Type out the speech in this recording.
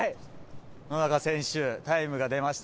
野中選手、タイムが出ました。